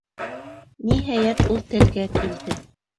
Ниһайәт, ул телгә килде: